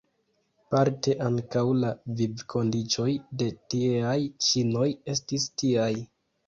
Parte ankaŭ la vivkondiĉoj de tieaj ĉinoj estis tiaj.